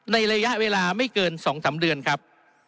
ระยะเวลาไม่เกิน๒๓เดือนครับ